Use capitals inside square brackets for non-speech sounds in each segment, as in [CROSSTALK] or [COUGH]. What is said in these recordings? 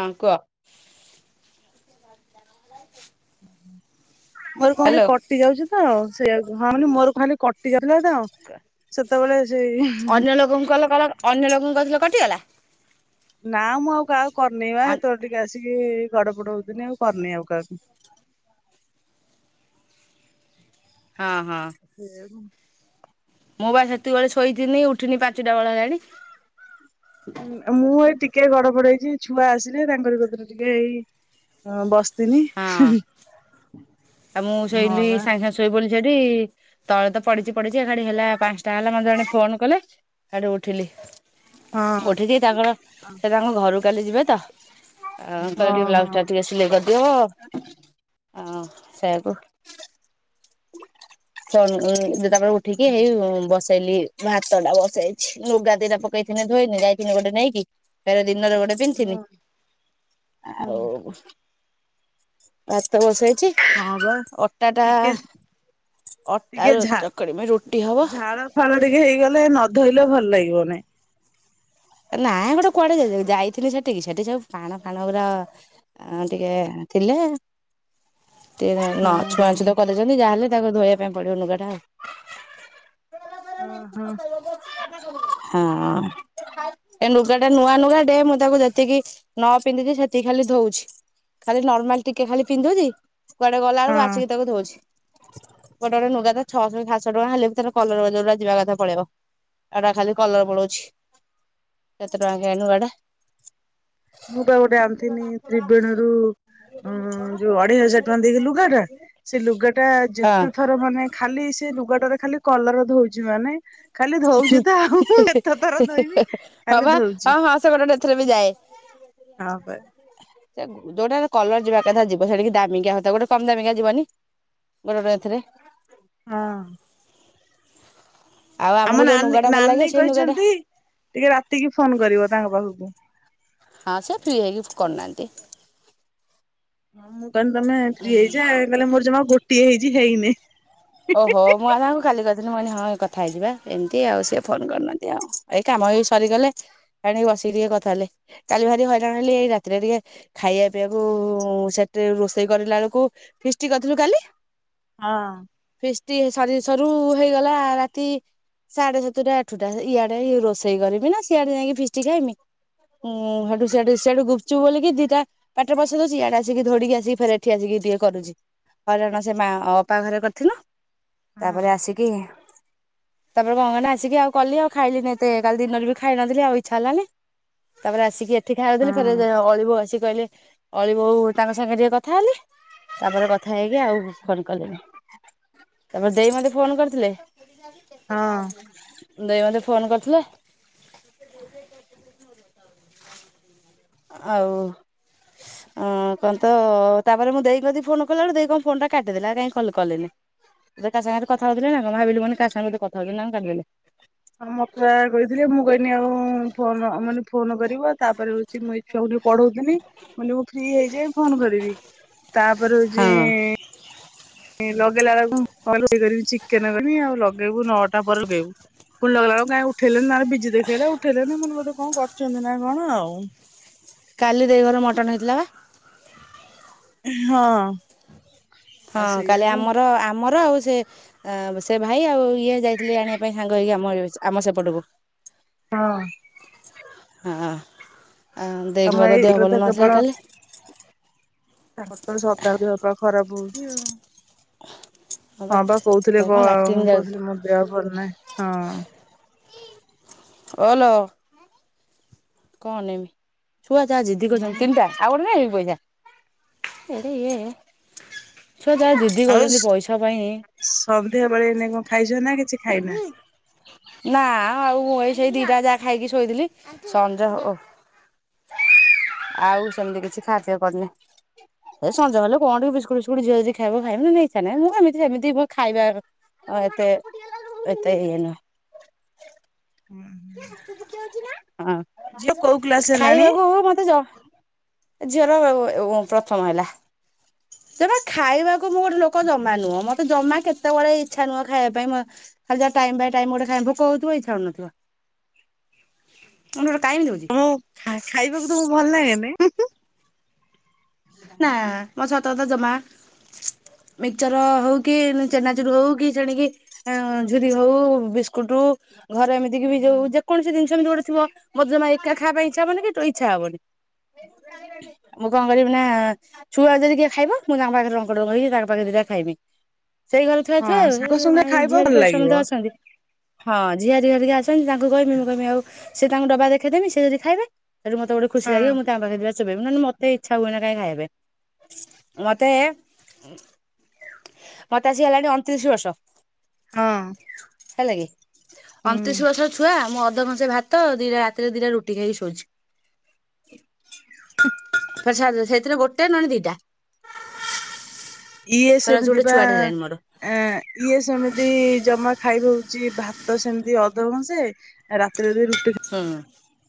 ହଁ କୁହ। ମୋର ଖାଲି ହ୍ୟାଲୋ କଟି ଯାଉଛି ତ ସେଇଆକୁ ହଁ ମାନେ ମୋର ଖାଲି କଟି ଗଲା ତ ସେତେବେଳେ ସେଇ ଏ ଲୋକଙ୍କୁ କଲ୍ କର। ଅନ୍ୟ ଲୋକଙ୍କୁ କରିଥିଲ କଟିଗଲା? ନା ମୁଁ ଆଉ କାହାକୁ କରିନେଇ ବା ଅନ୍ ସେତେବେଳେ ଟିକେ ଆସିକି ଗଡ ପଡ ହଉଥିଲି ଆଉ କରିନି ଆଉ କାହାକୁ। ହଁ, ହଁ। ସେ ମୁଁ ମୁଁ ବା ସେତିକି ବେଳେ ଶୋଇଥିନି ଉଠିନି ପାଞ୍ଚଟା ବେଳ ହେଲାଣି। ମୁଁ ଏ ଟିକେ ଗଡ ପଡ ହେଇଛି ଛୁଆ ଆସିଲେ ତାଙ୍କର କତିର ଟିକେ ଏଇ ହଁ ବସିଥିଲି। ହଁ ଆଉ ମୁଁ ହଁ ଶୋଇଲି ବା ସାଙ୍ଗ ସାଙ୍ଗ ଶୋଇପଇଲି ସେଠି ତଳେ ତ ପଡିଚି ପଡିଚି ଏକାଠି ହେଲା ପାନ୍ସଟା ହେଲା ମୋତେ ଜଣେ ଫୋନ୍ କଲେ ସାଡୁ ଉଠିଲି। ହଁ। [UNINTELLIGIBLE] ତାଙ୍କର ସେ ତାଙ୍କ ଘରୁକୁ କାଲି ଯିବେ ତ ଆ, କହିଲେ ହଁ ଟିକେ ବ୍ଲାଉଜ୍ ହଁ। ଟା ଟିକେ ସିଲେଇ କରି [UNINTELLIGIBLE] ଆ, ସେଆକୁ [UNINTELLIGIBLE] ଯେ ତାପରେ ଉଠିକି ହେଇ ଉଁ, ବସେଇଲି ଭାତ ଟା ବସେଇଛି। ଲୁଗା ଦିଟା ପକେଇଥିନି ଧୋଇନି ଯାଇଥିନି ଗୋଟେ ନେଇକି। ଫେରେ ଦିନରେ ଗୋଟେ ପିନ୍ଧିଥିନି। ହଁ ହଁ ଆଉ ଭାତ ବସେଇଛି। ହଁ ବା ଅଟା ଟା ଟିକେ ଅଟା ଟିକେ ର- ଝା ଚକୁଡିମି ରୁଟି ହବ। ଝାଳ ଫାଳ ଟିକେ ହେଇଗଲେ ନ ଧୋଇଲେ ଭଲ ଲାଗିବ ନାଇଁ। ଏ ନା ଗୋଟେ କୁଆଡେ ଯ-ଯ- ଯାଇଥିଲି ସେଠିକି ସେଠି ସବୁ ପାଣ ଫାଣ ଗୁରା ଆଁ, ଟିକେ ଥିଲେ ଟିକେ ନ ହଁ ଛୁଆଁ ହଁ ଛୁତ କରିଦେ ଚନ୍ତି ଯାହାହେଲେ ତାକୁ ଧୋଇବା ପାଇଁ ପଡିବ ନୁଗାଟା ଆଉ। ଓ ହଁ। ହଁ। ଏ ନୁଗା ଟା ନୂଆ ନୁଗା ଟେ ମୁଁ ତାକୁ ଯେତିକି ନ ପିନ୍ଧିଛି ସେତିକି ଖାଲି ଧଉଛି। ଖାଲି ନର୍ମାଲ ଟିକେ ଖାଲି ପିନ୍ଧୁଛି, କୁଆଡେ ଗଲା ବେଳକୁ ହଁ। ଆସିକି ତାକୁ ଧଉଛି। ଗୋଟେ ଗୋଟେ ନୁଗା ତ ଛଅଶହ ସାତଶହ ଟଙ୍କା ହେଲେ ବି ତାର କଲର ଯୋଉଡା ଯିବା କଥା ପଳେଇବ। ଏଟା ଖାଲି କଲର ପଳଉଛି। କେତେ ଟଙ୍କା କେଆଣି ନୁଗାଟା। ମୁଁ ପରା ଗୋଟେ ଆଣିଥିନି ତ୍ରିବେଣୀରୁ। ଅ, ଯୋଉ ଅଢେଇ ହଜାର ଟଙ୍କା ଦେଇକି ଲୁଗା ଟା, ସେ ଲୁଗା ଟା ହଁ। ଯେତେ ଥର ମାନେ ଖାଲି ସେ ଲୁଗାଟାରେ ଖାଲି କଲର ଧଉଛି ମାନେ ଖାଲି ଧଉଛି ତ ଆଉ କେତେଥର ଧୋଇବି, ଖାଲି ଧଉଛି। ସେମାନେନେ ବି ଏଥିରେ ବି ଯାଏ। ହଁ, ପା। ଯୋଉଟା କଲର ଯିବା କଥା ଯିବ ସେଟିକି ଦାମିକା ହୋଇଥିବ ଗୋଟେ କମ୍ ଦାମିକିଆ ଯିବନି। ଗୋଟେ ଗୋଟେ ଏଥିରେ ହଁ। ଆଉ ଆମ ଆମକୁ ଯୋଉ ନାନୀ ନୁଗା ଟା ଭଲ ନାନୀ ଲାଗେ ସେଇ ନୁଗା ଟା କହିଛନ୍ତି ଟିକେ ରାତିକି ଫୋନ୍ କରିବ ତାଙ୍କ ପାଖକୁ। ହଁ, ସେ ଫ୍ରି ହେଇକି କରୁନାହାନ୍ତି। ହଁ, ମୁଁ କହିଲି ତମେ ଫ୍ରି ହେଇଯା, କହିଲେ ମୋର ଜମା ଗୋଟିଏ ହେଇଛି ହେଇନି। ଓହୋ, ମୁଁ ଆଉ ତାଙ୍କୁ କାଲି କରିଥିଲି ମୁଁ କହିଲି ହଁ କଥା ହେଇଯିବା, ଏମିତି ଆଉ ସିଏ ଫୋନ୍ କରିନାହାନ୍ତି ଆଉ। ଏଇ କାମ ବି ସରିଗଲେ ଏଣିକି ବସିକି ଟିକେ କଥା ହେଲି। କାଲି ଭାରି ହଇରାଣ ହେଲି ଏଇ ରାତିରେ ଟିକେ ଖାଇବା ପିଇବାକୁ ସେଠି ରୋଷେଇ କରିଲା ବେଳକୁ, ଫିଷ୍ଟ୍ କରିଥିଲୁ କାଲି। ହଁ। ଫିଷ୍ଟ୍ ସରି ସରୁ ହେଇଗଲା ରାତି ସାଢେ ସାତୁଟା ଆଠୁଟା ଇଆଡେ ରୋଷେଇ କରିବି ନା ସିଆଡେ ଯାଇକି ଫିଷ୍ଟି ଖାଇମି। ହୁଁ ହେଟୁ ସିଆଡେ ସେଆଡୁ ଗୁପଚୁପ୍ ବୋଲି କି ଦିଟା ପାଟିରେ ପସେଇ ଦଉଚି ଇଆଡେ ଆସିକି ଦଉଡିକି ଆସିକି ଫେରେ ଏଠି ଆସିକି ଟିକେ କରିଦଉଚି। ହଇରାଣ କାରଣ ସେ ମା, ଅପା ଘରେ କ ଥିଲ, ହଁ। ତାପରେ ଆସିକି ତାପରେ କଣକଲିନା ଆସିକି ଆଉ କଲି ଆଉ ଖାଇଲିନି ଏତେ। କାଲି ଦିନରେ ବି ଖାଇ ନଥିଲି ଆଉ ଇଛା ହେଲାନି। ତାପରେ ଆସିକି ଏଠି ଖାଇଆକୁ ହଁ ଦେଲି। ଫେରେ ଅଳିି ବୋଉ ଆସି କହିଲେ ଅଳି ବୋଉ ତାଙ୍କ ସାଙ୍ଗେ ଟିକେ କଥା ହେଲି। ତାପରେ କଥା ହେଇକି ଆଉ ଫୋନ୍ କଲିନି। ତାପରେ ଦେଇ ମତେ ଫୋନ୍ କରିଥିଲେ। ହଁ। ଦେଇ ମତେ ଫୋନ୍ କରିଥିଲେ। ଆଉ ସ୍ ଅଁ କଣତ ତାପରେ ମୁଁ ଦେଇ ପ୍ରତି ଫୋନ୍ କଲାବେକୁ ଦେଇ କଣ ଫୋନଟା କାଟିଦେଲେ। ଆଉ କାଇଁ କଲ୍ କଲେନି। ସେ କା ସାଙ୍ଗରେ କଥା ହଉଥିଲେ ନା କଣ, ଭାବିଲି ମନେ କା ସାଙ୍ଗରେ କଥା ହେଉଥିଲେ ନା ମୁଁ କାଟିଦେଲି। ହଁ, ମତେ ଆକା କହିଥିଲେ ମୁଁ କହନି ଆଉ ଫୋନ୍ ଅ ମାନେ ଫୋନ କରିବ ତାପରେ ହଉଚି ମୁଁ ଏଇ ଛୁଆକୁ ଟିକେ ପଢଉଥିଲି। ମୁଁ କହିଲି ଟିକେ ଫ୍ରି ହେଇଯାଏ ଫୋନ୍ କରିବି। ତାପରେ ହଉଚି ହଁ ଏ ଲଗେଇଲା ବେଳକୁ କଲ୍ ରିସିଭ୍ କରି ଚିକେନ କରିବି ଆଉ ଲଗେଇବୁ ନଅଟା ପରେ ଲଗେଇବୁ। ଫୁଣି ଲଗେଇଲା ବେଳକୁ କାଇଁ ଉଠେଇଲେନି। ତାପରେ ବିଜି ଦେଖେଇଲା ଉଠେଇଲେନି। ମୁଁ କହିନି ବୋଧେ କଣ କରୁଚନ୍ତି ନା କଣ ଆଉ। କାଲି ଦେଇ ଘରେ ମଟନ୍ ହେଇଥିଲା ବା। ହଁ। ହଁ, ଆଉ କାଲି ସେଇଆକୁ ଆମର ଆମର ଆଉ ସେ ସେ ଭାଇ ଆଉ ଇଏ ଯାଇଥିଲେ ଆଣିବା ପାଇଁ ସାଙ୍ଗ ହେଇକି ଆମ ଆମ ସେପଟକୁ। ହଁ। ହଁ, ଅଁ ତମ ଦେଇଙ୍କର ଦେହ ଏଇରେ ଭଲ ତ ନଥିଲା କେବଳ କାଲି। ତାଙ୍କର ତ ସଦାବେଳେ ଦେହ ଖରାପ ହଉଚି ଆଉ। ହବା ହଁ ବା ସେ କହୁଥିଲେ କ କଣ ଲାଟ୍ରିନ୍ ଯାଉ କହୁଥିଲି ମୋ ଦେହ ଭଲ ନାହିଁ। ହଁ। ଓଲୋ। କହନି, ଛୁଆ ଯାହା ଜିଦ୍ଦି କରଛନ୍ତି ହଁ ତିନିଟା ଆଉ ଗୋଟେ ନ ହେଇି ପଇସା ଏରେଇ [UNINTELLIGIBLE] ଛୁଆ ଯାହା ଦିଦ୍ଦି ଆଉ କରୁଛନ୍ତି ପଇସା ପାଇଁ। ସନ୍ଧ୍ୟା ବେଳେ ଏଇନେ କଣ ଖାଇଛ ନା କିଛି ଖାଇନା? ନା ଆଉ ମୁଁ ଏଇ ସେଇ ଦିଟା ଯାହା ଖାଇକି ଶୋଇଥିଲି। ସଞ୍ଜ ହଉ ଆଉ ସେମିତି କିଛି ଖିଆ ପିଆ କରିନି। ଏ ସଞହେଲେ କଣ ଟିକେ ବିସ୍କୁଟ ଫିସ୍କୁଟ ଝିଅ ଯଦି ଖାଇବ ଖାଇବ ନ ନେଇ ଇଛା ନାଇଁ ମୁଁ ଏମିତି ସେମିତି ମୁଁ ଖାଇବା ଏ ଏତେ ଏତେ ଇଏ ନୁହଁ। ହଁ ଝିଅ କୋଉ କ୍ଲାସ ହେଲାଣି ଖାଇବାକୁ ମତେ ଯ ଝିଅର ବ ବ ବ ପ୍ରଥମ ହେଲା। ହ [INAUDIBLE] ସେବା ଖାଇବାକୁ ମୁଁ ଗୋଟେ ଲୋକ ଜମା ନୁହଁ ମତେ ଜମା କେତେବେଳେ ଇଚ୍ଛା ନୁହେଁ ଖାଇବା ପାଇଁ ମ ଖାଲି ଯା ଟାଇମ ବାଇ ଟାଇମ ମୁ ଗୋଟ ଖାଇ ଭୋକ ହେଉଥିବ ଇଛା ହେଉନଥିବ। ତମର କାଇଁ ଏମିତି ହଉଛି। ମୁଁ ଖା ଖାଇବାକୁ ତମକୁ ଭଲ ଲାଗେନି ହୁଁ ନା ମୋ ସତ କଥା ଜମା ହ [INAUDIBLE] ମିକ୍ଚର ହଉ କି ଚେନାଚୁରୁ ହଉ କି ସେଣିକି ଆଁ ଝୁରି ହଉ ବିସ୍କୁଟ ହଉ ଘରେ ଏମିତି କି ବି ଯୋଉ ଯେକୌଣସି ଜିନିଷ ଏମିତି ଗୋଟେ ଥିବ ମୋର ଜମା ଏକା ଖାଇବା ପାଇଁ ଇଚ୍ଛା ହବନି କି ତୁ ଇଛା ହବନି ମୁଁ କଣ କରିବି ନାଁ ଛୁଆ ଯଦି କିଏ ଖାଇବ ମୁଁ ତାଙ୍କ ପାଖରେ ରଙ୍କ ଟଙ୍ଗ ହେଇକି ତାଙ୍କ ପାଖରେ ଦିଟା ଖାଇବି। ସେଇ ଘଲେ ଥୁଆ ହଁ ଥୁଆଲ ସାଙ୍ଗ ଏ ସାଙ୍ଗେ ନାଇଁ ଖାଇବ ଝିଆରି ଭଲ ପ ଲାଗିବ ସମସ୍ତେ ଅଛନ୍ତି। ହଁ ଝିଆରିି ହରିକି ଅଛନ୍ତି ତାଙ୍କୁ କହିବି ମୁଁ କହିବି ଆଉ ସେ ତାଙ୍କ ଡବା ଦେଖାଇଦେବି ସେ ଯିଦି ଖାଇବେ ସେଠୁ ମତେ ଗୋଟେ ଖୁସି ହଁ ଲାଗିବ ମୁଁ ତା ପାଖେଁ ଦିଇଟା ଚବେଇବି ନହେଲେ ମତେ ଇଛା ସବୁଦିନେ କାହି ଖାଇବେ ମତେ ମତେ ଆସି ହେଲାଣି ଅଣତିରିଶ ବର୍ଷ। ହଁ ହେଲା କିି ହୁଁ। ଅଣତିରିଶ ବର୍ଷର ଛୁଆ ମୁଁ ଅଧକଂସେ ଭାତ ତ ଦିଟା ରାତିରେ ଦିଟା ରୁଟି ଖାଇକି ଶୋଉଛି। ପ୍ରସାଦେ ରେ ସେଥିରେ ଗୋଟେ ନହେଲେ ଦିଇଟା ଇଏ ଫେରେ ଅଛି ସେମିତି ଗୋଟେ ବା ଛୁଆଟେ ହେଲାଣି ମୋର। ଏଁ ଇଏ ସେମିତି ଜମା ଖାଇବ ହଉଛି ଭାତ ସେମିତି ଅଧ କଂସେ ରାତିରେ ବି ରୁଟି କ୍ଷୀ ହୁଁ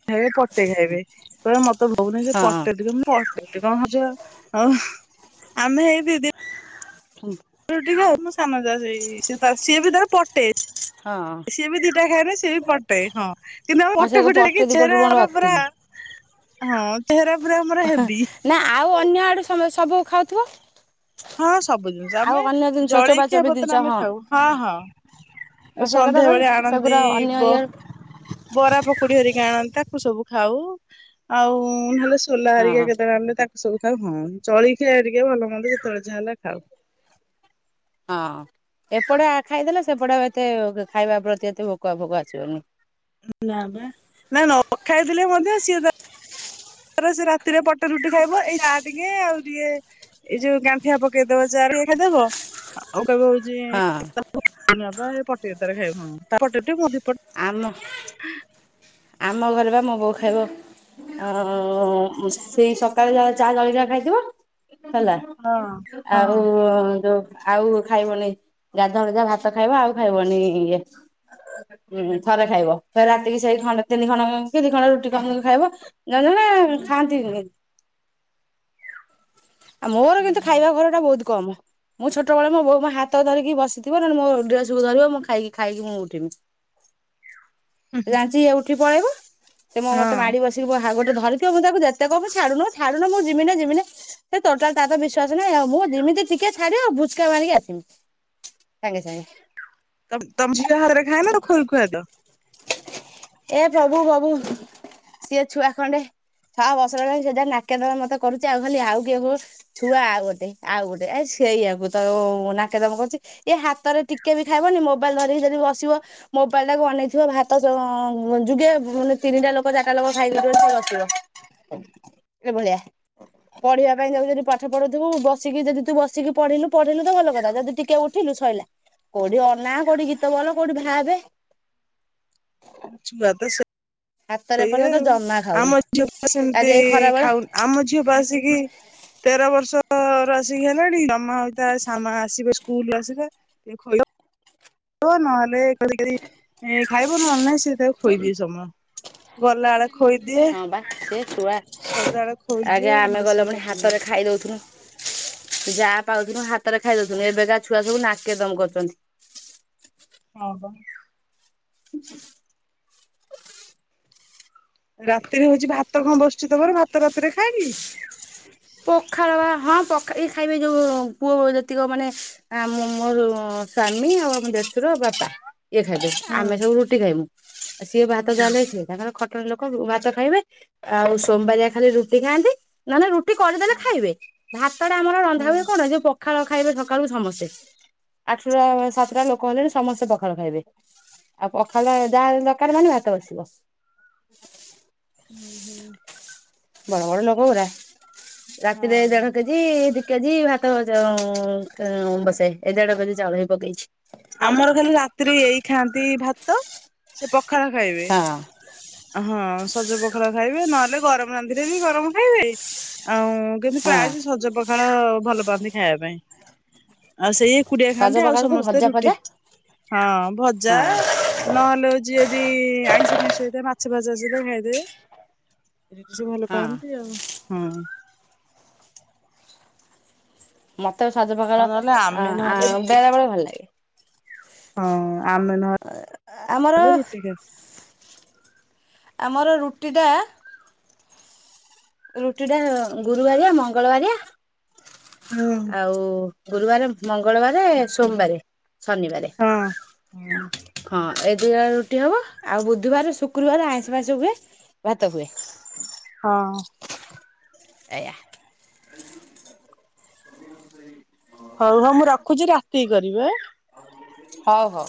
ହେଳେ ପଟେ ଖାଇବେ କହିଲେ ମତେ ଭଉୁନି ସେ ପଟେ ହଁ ଟିକେ ମୁଁ ପଟେ କି କଣ ହଜ ହଉ ଆମେ ହେଇ ଦିଦି ହୁଁ ରୁଟି କୁ ମୁଁ ସାନ ଯା ସେଇ ସିଏତା ସିଏ ବି ତାର ପଟେ ହଁ ସିଏ ବି ଦିଟା ଖାଏନି ସିଏବି ପଟେ ହଁ କିନ୍ତୁ ଆମ ମୋ ସେ ପଟେ ଫଟେ ପଟ ଡାକି ଦିପଟରୁ ଚେହେରା ମୋର ଆମର ଅତି ପୁରା ନୁହଁ। ହଁ ଚେହେରା ପୁରା ଆମର ହେବି ନା ଆଉ ଅନ୍ୟ ଆଡ଼ୁ ସମେ ସବୁ ଖାଉଥିବ? ହଁ ସବୁ ଜିନିଷ ଆଉ ଆମେ ଅନ୍ୟ ଜିନିଷ ଚୋବା ଜଳେଇଖିଆ ଚୋବି ଜିନିଷ ପତରେ ଆମେ ଖାଉ ହଁ ହଁ ଏ ମୁଁ ସେଇ କଥା କହୁଛି ସନ୍ଧ୍ୟାବେଳେ ଆଣନ୍ତି ସେଗୁରା ଅନ୍ୟ ବ ଇଏ ବରା ପକୁଡି ହେରିକା ଆଣନ୍ତି ତାକୁ ସବୁ ଖାଉ ଆଉ ନହେଲେ ସେ ସୋଲା ହଁ ହେରିକା ହଁ କେତେବେଳେ ଆଣିଲେ ତାକୁ ସବୁ ଖାଉ ହଁ ଜଳଖିଆ ଆରିକେ ଭଲ ହନ୍ଦ ଯେତେବେଳେ ଯାହା ହେଲା ଖାଉ। ହଁ ଏପଟେ ଆ ଖାଇଦେଲେ ସେପଟେ ଏତେ ଖାଇବା ପ୍ରତି ଏତେ ଭୋକ ଭୋକ ଆସିବନି ନା ନା ନା ନା। କଥା ହେଇଥିଲେ ହୁଅନ୍ତା ସିଏ ତା ଆରେ ସେ ରାତିରେ ପଟେ ରୁଟି ଖାଇବ ଏଇ ଯାହା ଟିକେ ଆଉ ଟିକେ ଏଇ ଯୋଉ ଗାଠିଆଁ ପକେଇଦବ ଚା ଟିଏ ଖାଇଦବ ଅଁ ଆଉ କବେ ହଁ ହଉଛି ପଟରେ [UNINTELLIGIBLE] ଖାଇ ଆମ ଆମ ଘରେ ବା ମୋ ବୋଉ ଖାଇବ ଆଉ ସେଇ ସକାଳେ ଯା ଚା ଜଳିଖୀଆ ଖାଇଥିବ ହେଲା। ହୁଁ ଆଉ ଯୋଉ ଆଉ ଖାଇବନି ଗାଧୁଆ ବେଳୁ ଯା ଭାତ ଖାଇବ ଆଉ ଖାଇବନି ଇଏ। ହୁଁ ଥରେ ଖାଇବ ଫେରେ ରାତିକି ସେଇ ଖଣ୍ଡ ତିନି ଖଣ୍ଡ କି ଦି ଖଣ୍ଡ ରୁଟି ଖା ଖାଇବ। ଜଣେ ଜଣେ ଖାଆନ୍ତି ନି। ଆ ମୋର କିନ୍ତୁ ଖାଇବା ଘର ଟା ବହୁତ କମ। ମୁଁ ଛୋଟବେଳେ ମୋ ବୋଉ ମୋ ହାତ ଧରିକି ବସିଥିବ ନହଲେ ମୋ ଡ୍ରେସକୁ ଧରିବ ମୁଁ ଖାଇକି ଖାଇକି ମୁଁ ଉଠିମି। ସେ ଜାଣିଛି ଇଏ ଉଠି ପଳେଇବ ସେ ମତେ ହଁ ମାଡି ବସି ସିବ ଗୋଟେ ଧରିଥିବ ମୁଁ ତାକୁ ଯେତେ କହିବି ଛାଡୁନୁ ଛାଡୁନ ମୁଁ ଯିବନି ଯିବନି ସେ ଟୋଟାଲ ତାର ବିଶ୍ୱାସ ନାହିଁ ଆଉ ମୁଁ ଯିମିତି ଟିକେ ଛାଡିବ ଆଉ ଭୁଚକା ମାରିକି ଆସିବି। [INAUDIBLE] ସାଙ୍ଗେ ସାଙ୍ଗେ। ତମ ତମ ଝିଅ ହାତରେ ଖାଇନା ତାକୁ ଖୁଆ ଖୁଆଇ ଦିଅ। ଏ ପ୍ରଭୁ ପ୍ରବୁ ସିଏ ଛୁଆ ଖଣ୍ଡେ ଛଅ ବର୍ଷ ବେଳେ ସେଯା ନାକେ ଦମ୍ ମତେ କରୁଛି ଆଉ ଖାଲି ଆଉ କିଏ କହୁ ଛୁଆ ଆଉ ଗୋଟେ ଆଉ ଗୋଟେ ଏ ସେଇଆକୁ ତ ନାକେଦମ କରୁଛି। ଏ ହାତରେ ଟିକେ ବି ଖାଇବନି ମୋବାଇଲ ଧରିକି ଧରିକି ଜଦି ବସିବ ମୋବାଇଲ ଟାକୁ ଅନେଇଥିବ ଭାତ ଯୁଗେ ମାନେ ତିନିଟା ଲୋକ ଚାରିଟା ଲୋକ ଖାଇକିଉଠିବେନି ସେ ବସିଥିବ। ଏ ଭଳିଆ। ପଢିବା ପାଇଁ ତାକୁ ଯଦି ପାଠ ପଢ଼ଉଥିବୁ ବସିକି ଯଦି ତୁ ବସିକି ପଢ଼ିଲୁ ପଢ଼ିଲୁ ତ ଭଲ କଥା ଯଦି ଟିକେ ଉ ଦେଖିଲୁ ଶଇଲା କୋଉଠି ଅନା କୋଉଠି ଗୀତ ଭଲ କୋଉଠି ଭାବେ। ଛୁ ବା ତ [UNINTELLIGIBLE] ହାତରେ ସେଇଆ ଏପର୍ଯ୍ୟନ୍ତ ଆଉ ଜମା ଖାଉନି ଆମ ଝିଅ ଆଜି ସେମିତି ଏଇ ଖରା ବେଳେ ଖାଉନି। ଆମ ଝିଅ ବା ଆସିକି ତେର ବର୍ଷ ର ଆସିକି ହେଲାଣି ମାମା ହ ଇ ତା ସାନ ଆସିବେ ସ୍କୁଲ ଆସିବେ ଖୋଇବେ ହ ନହେଲେ କ [UNINTELLIGIBLE] ଖାଇବ ନହେଲେ ନାହିଁ ସେ ତାକୁ ଖୋଇଦିଏ ସମ ଗଲା ବେଳେ। ହଁ ବା ସିଏ ଛୁଆ ସଦାବେଳେ ଆଗେ ଖୋଇଦିଏ ଆମେ ନହେଲେ ସେ ଗଲେ ପୁଣି ହାତରେ ଖାଇଦଉଥୁନୁ। ଯାହା ପାଉଥିଲୁ ହାତରେ ଖାଇ ଦଉଥିଲୁ ଏବେକା ଛୁଆ ସବୁ ନାକେ ଦମ କରୁଛନ୍ତି। ଓହୋ। ଆ ରାତିରେ ହଉଛି ଭାତ କଣ ବସିଛି ତମର ଭାତ ରାତିରେ ଖାଆକି? ପଖାଳ ବା ହଁ ପଖା ଖାଇବେ ଯେଉଁ ପୁଅ ଯେତିକ ମାନେ ମୋର ସ୍ୱାମୀ ଆଉ ଆମ ଦେଡ଼ଶୁର ଆଉ ବାପା। ଇଏ ଖାଇବେ ହୁଁ ଆମେ ସବୁ ରୁଟି ଖାଇମୁ ସିଏ ଭାତ ହୁଁ ଖାଇଲେ ସେ ତାଙ୍କର ଖ ଲୋକଙ୍କୁ ମାଛ ଖାଇବେ ଆଉ ସୋମବାରିଆ ଖାଲି ରୁଟି ଖାଆନ୍ତି ନ ହେଲେ ରୁ କରିଦେଲେ ଖାଇବେ ଭାତ ଟା ଆମର ରନ୍ଧା ହୁଁ ହୁଏ କଣ ଯୋଉ ପ ପଖାଳ ଖାଇବେ ସକାଳୁ ସମସ୍ତେ ଆଠଟା ସାତଟା ଲୋକ ହେଲେଣି ସମସ୍ତେ ପଖାଳ ଖାଇବେ। ଆଉ ପଖାଳ ଯାହା ହେଲେ ଦରକାର ମାନେ ଭାତ ବସିବ। ହୁ ହୁ। ବଡନ କୋଉଉରା ରାତିରେ ହଁ। ଦେଢ କେଜି ଦି ଦିକେଜି ଭାତ ବସାଏ [UNINTELLIGIBLE] ଦେଢ କେଜି ଚାଉଳ ହି ପକେଇଛି। ଆମର ଖାଲି ରାତିରେ ଏଇ ଖାଆନ୍ତି ଭାତ ସେ ପଖାଳ ଖାଇବେ। ହଁ। ହଁ ସଜ ପଖାଳ ଖାଇବେ ନହେଲେ ଗରମ ରାନ୍ଧିଲେ ବି ଗରମ ଖାଇବେ ଆଉ କିନ୍ତୁ ହଁ ପ୍ରାୟ ସେ ସଜ ପଖାଳ ଭଲ ପାଆନ୍ତି ଖାଇବା ପାଇଁ। ଆଉ ସେଇ ଏକୁଡିଆ ସଜ ଖାଆନ୍ତି ଆଉ ପଖାଳକୁ ସମସ୍ତେ ଭଜା ରୁଟି ଫଜା ହଁ ଭଜା। ହଁ ନହେଲେ ହଉଛି ଯଦି ଆଇଁଷ ଫଇଁଷ ହେଇଥିବ ମା ଛ ବାଜ ଖାଇଦେବେ ଏଠ କିଛି ଭଲ ହଁ ପାଆନ୍ତି ଆଉ ହଁ। ମତେ ସାଜୁ ପକାଳ ଆଉ ନହେଲେ ଅ ଆମେ ନହେଲେ ରୁଟି। ବେଳେ ବେଳେ ଭଲ ଲାଗେ। ହଁ ଆମେ ନହେ ଆମର ଆମର ରୁଟିଟା ରୁଟି ଟା ଗୁରୁବାରିଆ ମଙ୍ଗଳବାରିଆ ହଁ। ଆଉ ଗୁରୁବାର ମଙ୍ଗଳବାର ସୋମବାରେ ଶନିବାରେ। ହଁ ହଁ। ହଁ ଏ ଦୁଇବାରେ ରୁଟି ହବ ଆଉ ବୁଧବାର ଶୁକ୍ରବାର ଆଇଁ ଫାଇଁସ ହୁଏ ଭାତ ହୁଏ। ହଁ। ଏଇଆ। ହଉ ହଉ ମୁଁ ରଖୁଛି ରାତି କି କରିବି ଆଁ। ହଉ ହଉ।